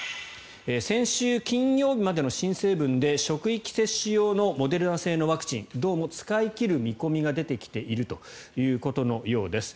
先週金曜日までの申請分で職域接種用のモデルナ製のワクチンどうも使い切る見込みが出てきているということのようです。